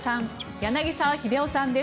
柳澤秀夫さんです。